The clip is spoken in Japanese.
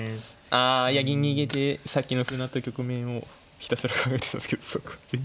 あいや銀逃げてさっきの歩成った局面をひたすら考えてたんですけどそうか全然。